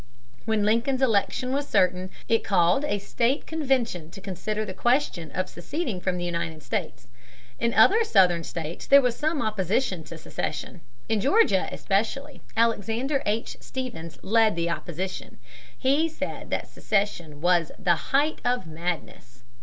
When Lincoln's election was certain, it called a state convention to consider the question of seceding from the United States. In other Southern states there was some opposition to secession. In Georgia, especially, Alexander H. Stephens led the opposition. He said that secession "was the height of madness."